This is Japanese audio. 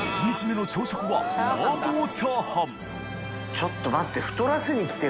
ちょっと待って。